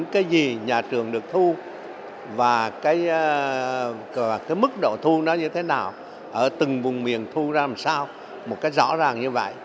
các nhà trường nó khó khăn hơn